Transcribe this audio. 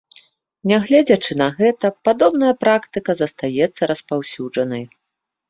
Нягледзячы на гэта, падобная практыка застаецца распаўсюджанай.